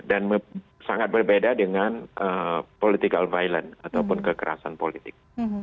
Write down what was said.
dan sangat berbeda dengan political violence ataupun kekerasan politik